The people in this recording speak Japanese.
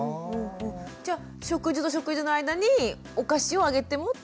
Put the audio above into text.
じゃあ食事と食事の間にお菓子をあげても大丈夫？